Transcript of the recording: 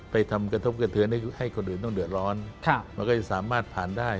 ไปทำกระทบกระเทือนให้คนอื่นต้องเดือดร้อนมันก็จะสามารถผ่านได้